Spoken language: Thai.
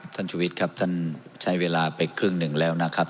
ชุวิตครับท่านใช้เวลาไปครึ่งหนึ่งแล้วนะครับ